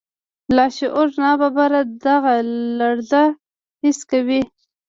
لاشعور ناببره دغه لړزه حس کوي.